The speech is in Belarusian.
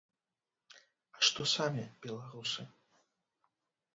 А што самі беларусы?